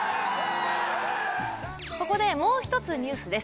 ここでもう一つニュースです。